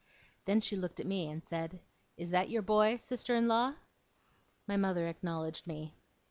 Then she looked at me, and said: 'Is that your boy, sister in law?' My mother acknowledged me.